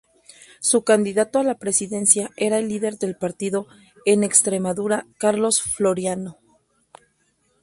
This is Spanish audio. Su candidato a la presidencia era el líder del partido en Extremadura Carlos Floriano.